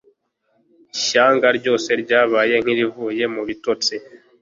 Ishyanga ryose ryabaye nk'irivuye mu bitotsi.